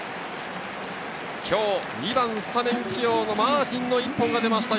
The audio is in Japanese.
今日、２番スタメン起用のマーティンの１本が出ました。